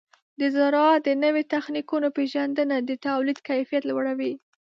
د زراعت د نوو تخنیکونو پیژندنه د تولید کیفیت لوړوي.